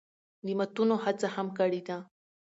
د ماتونو هڅه هم کړې ده